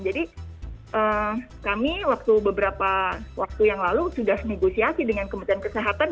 jadi kami waktu beberapa waktu yang lalu sudah negosiasi dengan kementerian kesehatan